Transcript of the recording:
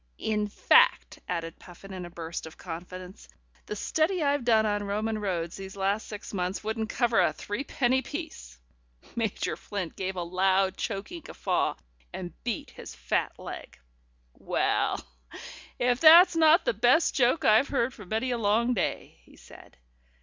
In fact," added Puffin in a burst of confidence, "the study I've done on Roman roads these last six months wouldn't cover a threepenny piece." Major Flint gave a loud, choking guffaw and beat his fat leg. "Well, if that's not the best joke I've heard for many a long day," he said.